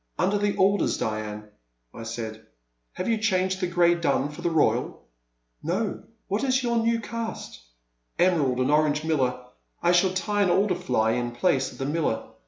Under the alders Diane —*' I said; have you changed the Grey Dun for the Royal ?*'No, what is your new cast? Emerald and Orange Miller — I shall tie an Alder fly in place of the Miller.